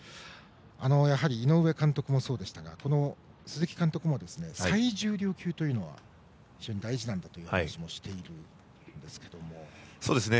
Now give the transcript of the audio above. やはり井上監督もそうでしたが鈴木監督も、最重量級というのは非常に大事なんだという話をしているんですけども。